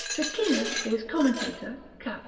Ficinus, his Commentator, cap.